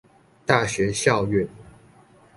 大學校院